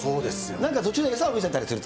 なんか途中で餌を見せたりすると。